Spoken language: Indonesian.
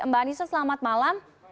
mbak anissa selamat malam